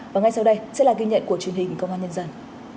và ngay sau đây sẽ là ghi nhận của truyền hình công an nhân dân